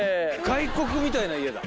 外国みたいな家だ。